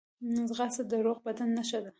ځغاسته د روغ بدن نښه ده